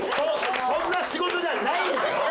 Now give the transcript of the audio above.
そんな仕事じゃないんだよ。